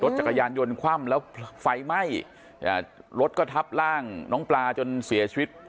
จักรยานยนต์คว่ำแล้วไฟไหม้อ่ารถก็ทับร่างน้องปลาจนเสียชีวิต